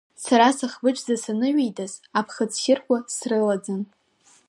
Са сыхбыџӡа саныҩеидас аԥхыӡ ссирқәа срылаӡан…